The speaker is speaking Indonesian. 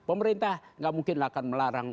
pemerintah nggak mungkin akan melarang